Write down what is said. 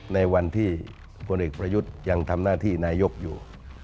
ในวันที่พลเอกประยุทธ์ยังทำหน้าที่นายกอยู่